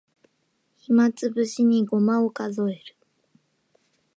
暇つぶしにごまを数える